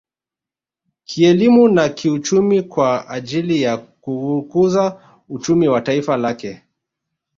Kielimu na kiuchumi kwa ajili ya kuukuza uchumi wa taifa lake